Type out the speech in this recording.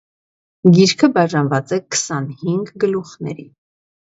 Գիրքը բաժանված է քսանհինգ գլուխների։